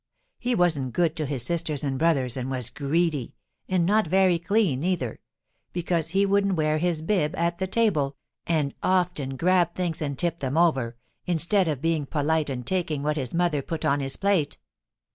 He wasn't good to his brothers and sisters, and was greedy, and not very clean, either, because he wouldn't wear his bib at the table, and often grabbed things and tipped them over, instead of being polite and taking what his mother put on his plate.